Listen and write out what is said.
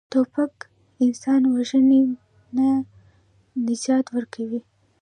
توپک انسان وژني، نه نجات ورکوي.